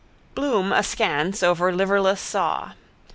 Bloom askance over liverless saw.